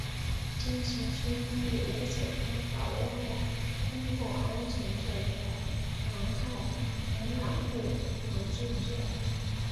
坚持区分以危险方法危害公共安全罪和妨害传染病防治罪